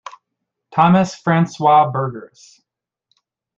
Thomas Francois Burgers.